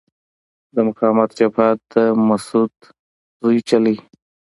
د مقاومت جبهه د مسعود ژوی چلوي.